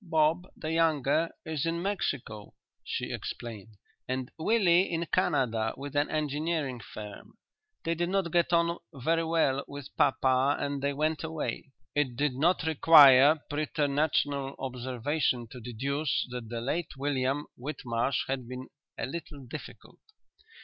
Bob, the younger, is in Mexico," she explained; "and Willie in Canada with an engineering firm. They did not get on very well with papa and they went away." It did not require preternatural observation to deduce that the late William Whitmarsh had been "a little difficult."